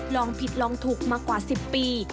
ลองผิดลองถูกมากว่า๑๐ปี